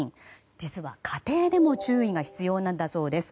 実は、家庭でも注意が必要なんだそうです。